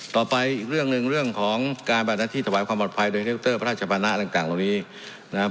ต่อไปอีกเรื่องหนึ่งเรื่องของการแบบนั้นที่ถวายความปลอดภัยโดยพระธาชาพาณะอันตรงนี้นะครับ